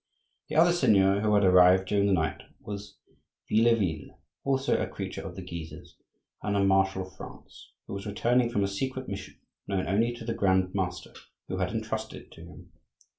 The other seigneur who had arrived during the night was Vieilleville, also a creature of the Guises and a marshal of France, who was returning from a secret mission known only to the Grand Master, who had entrusted it to him.